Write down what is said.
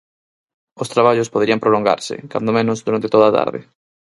Os traballos poderían prolongarse, cando menos, durante toda a tarde.